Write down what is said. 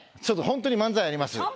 ちょっと本当に漫才やります。